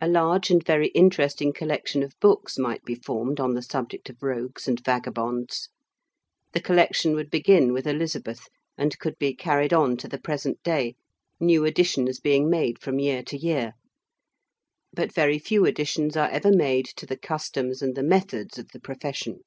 A large and very interesting collection of books might be formed on the subject of rogues and vagabonds. The collection would begin with Elizabeth and could be carried on to the present day, new additions being made from year to year. But very few additions are ever made to the customs and the methods of the profession.